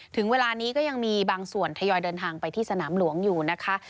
ถึงเวลานี้ก็ยังมีบางส่วนทยอยเดินทางไปที่สนามหลวงอยู่นะคะ